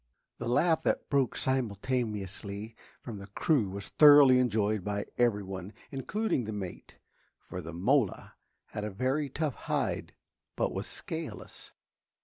The laugh that broke simultaneously from the crew was thoroughly enjoyed by every one, including the mate, for the mola had a very tough hide but was scaleless.